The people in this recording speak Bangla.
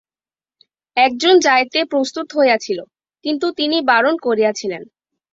একজন যাইতে প্রস্তুত হইয়াছিল, কিন্তু তিনি বারণ করিয়াছিলেন।